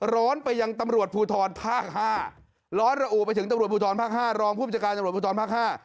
ร้อนไปยังตำรวจภูทรภาคห้าร้อนระอุไปถึงตำรวจภูทรภาคห้า